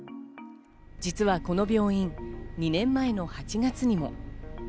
実はこの病院、２年前の８月にも。